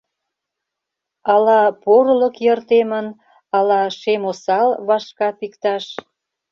Ала порылык йыр темын, Ала шем осал вашка пикташ.